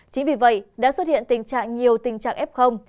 chính vì vậy đã xuất hiện tình trạng nhiều tình trạng ép không